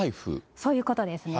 そういうことですね。